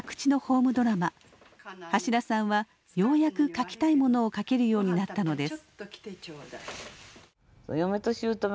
橋田さんはようやく書きたいものを書けるようになったのです。